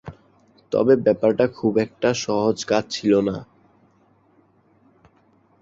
তবে ব্যাপারটা খুব একটা সহজ কাজ ছিল না।